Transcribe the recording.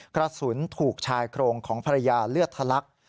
กระสุนถูกชายโครงของภรรยาเลือดทะลัก